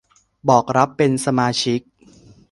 บอกรับเป็นสมาชิก